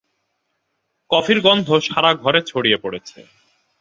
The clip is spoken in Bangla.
কফির গন্ধ সারা ঘরে ছড়িয়ে পড়েছে।